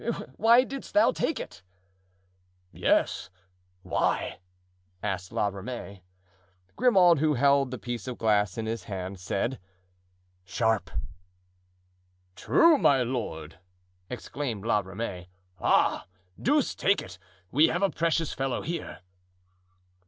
Why didst thou take it?" "Yes—why?" asked La Ramee. Grimaud, who held the piece of glass in his hand, said: "Sharp." "True, my lord!" exclaimed La Ramee. "Ah! deuce take it! we have a precious fellow here!"